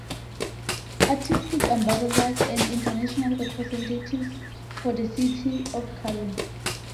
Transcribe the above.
Artistic Ambassadors and international representatives for the city of Cali.